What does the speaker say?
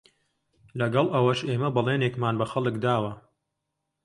لەگەڵ ئەوەش ئێمە بەڵێنێکمان بە خەڵک داوە